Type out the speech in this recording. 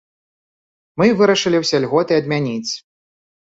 Мы вырашылі ўсе льготы адмяніць.